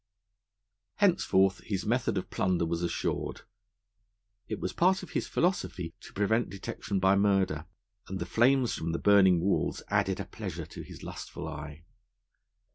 Henceforth his method of plunder was assured. It was part of his philosophy to prevent detection by murder, and the flames from the burning walls added a pleasure to his lustful eye.